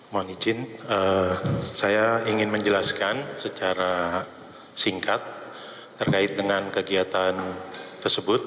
mohon izin saya ingin menjelaskan secara singkat terkait dengan kegiatan tersebut